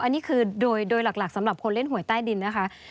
อันนี้คือโดยหลักสำหรับคนเล่นหวยใต้ดินนะคะ